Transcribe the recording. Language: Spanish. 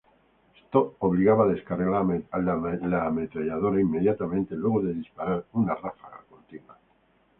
Esto obligaba a descargar la ametralladora inmediatamente luego de disparar una ráfaga continua.